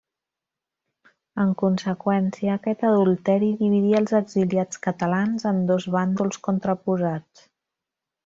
En conseqüència, aquest adulteri dividí els exiliats catalans en dos bàndols contraposats.